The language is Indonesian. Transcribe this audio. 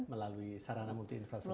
melalui sarana multi infrasruktur